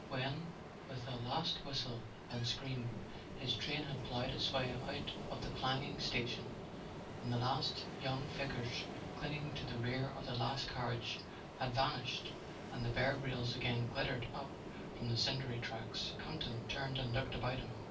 When, with a last whistle and scream, his train had ploughed its way out of the clanging station; when the last young figures clinging to the rear of the last carriage had vanished, and the bare rails again glittered up from the cindery tracks, Campton turned and looked about him.